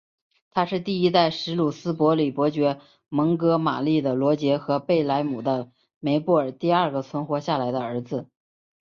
他是第一代什鲁斯伯里伯爵蒙哥马利的罗杰和贝莱姆的梅布尔第二个存活下来的儿子。